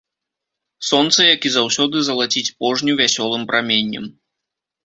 Сонца, як і заўсёды, залаціць пожню вясёлым праменнем.